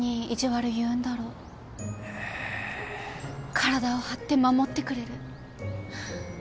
体を張って守ってくれる。